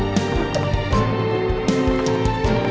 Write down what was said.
jangan lupa untuk mencoba